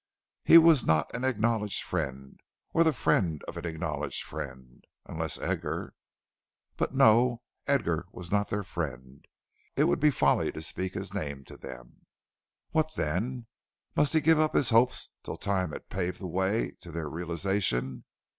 He was not an acknowledged friend, or the friend of an acknowledged friend, unless Edgar But no, Edgar was not their friend; it would be folly to speak his name to them. What then? Must he give up his hopes till time had paved the way to their realization?